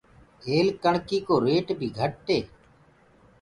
هيل ڪڻڪيِ ڪو ريٽ بيٚ گھٽ هي۔